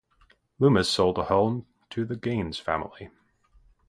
Loomis sold the home to the Gaines family.